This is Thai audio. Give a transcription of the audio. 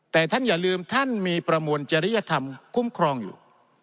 แต่ท่านอย่าลืมท่านมีประมวลจริยธรรมคุ้มครองอยู่